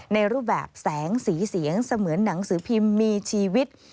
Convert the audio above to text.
ในรูปแบบแสงสีเสียงเสมือนหนังสือพิมพ์มีชีวิต